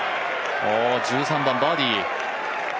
１３番、バーディー。